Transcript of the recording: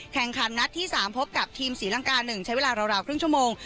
แข่งขันนัดที่๓พบกับทีมศรีลังกา๑ใช้เวลาราวครึ่งชั่วโมง